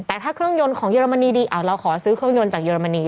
แต่ถ้าเครื่องยนต์ของเยอรมนีดีเราขอซื้อเครื่องยนต์จากเยอรมนี